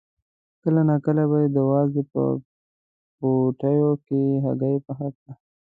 کله ناکله به یې د وازدې په پوټیو کې هګۍ پخه کړه.